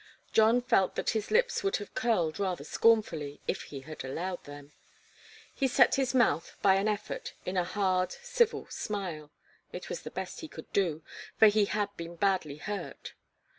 John felt that his lips would have curled rather scornfully, if he had allowed them. He set his mouth, by an effort, in a hard, civil smile. It was the best he could do, for he had been badly hurt.